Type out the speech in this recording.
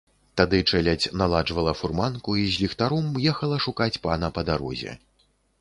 Тады чэлядзь наладжвала фурманку і з ліхтаром ехала шукаць пана па дарозе.